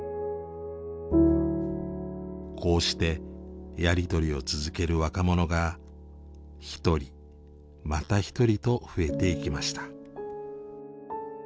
こうしてやり取りを続ける若者が一人また一人と増えていきました。